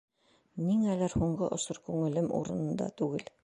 Ниңәлер һуңғы осор күңелем урынында түгел.